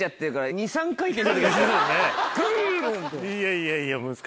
いやいやいや。